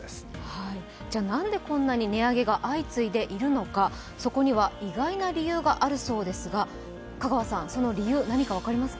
なんでこんなに値上げが相次いでいるのかというとそこには意外な理由があるそうですが、香川さん、その理由何か分かりますか？